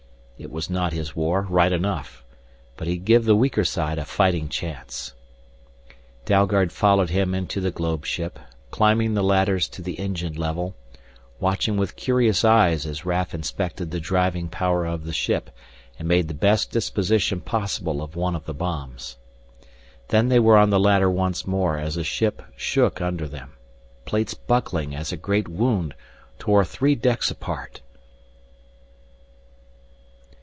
It was not his war, right enough. But he'd give the weaker side a fighting chance. Dalgard followed him into the globe ship, climbing the ladders to the engine level, watching with curious eyes as Raf inspected the driving power of the ship and made the best disposition possible of one of the bombs. Then they were on the ladder once more as the ship shook under them, plates buckling as a great wound tore three decks apart.